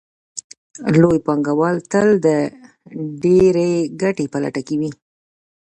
لوی پانګوال تل د ډېرې ګټې په لټه کې وي